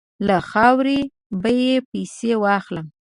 له خاورې به یې پسي واخلم.